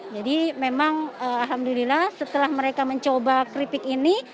jadi memang alhamdulillah setelah mereka mencoba keripik ini